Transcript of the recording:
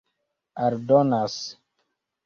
aldonas